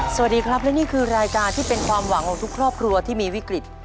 สวัสดีครับและนี่คือรายการที่เป็นความหวังของทุกครอบครัวที่มีวิกฤต